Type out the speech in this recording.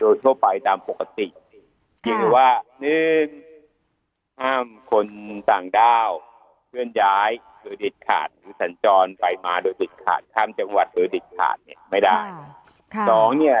โดยทั่วไปตามปกติคือว่า๑ห้ามคนส่างด้าวเคลื่อนย้ายหรือสัญจรไปมาโดยติดขาดห้ามจังหวัดโดยติดขาดไม่ได้